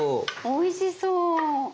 おいしそう。